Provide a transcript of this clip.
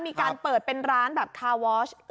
มีการเปิดเป็นร้านแบบคาวอช